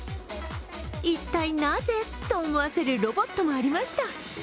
一体なぜ、と思わせるロボットもありました。